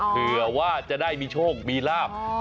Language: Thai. เผื่อว่ามีโชคมีลาภ